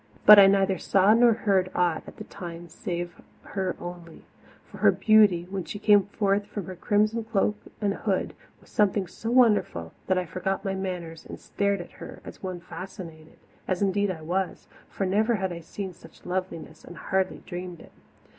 But I neither saw nor heard aught at the time save her only, for her beauty, when she came forth from her crimson cloak and hood, was something so wonderful that I forgot my manners and stared at her as one fascinated as indeed I was, for never had I seen such loveliness and hardly dreamed it.